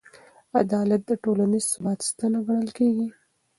عدالت د ټولنیز ثبات ستنه ګڼل کېږي.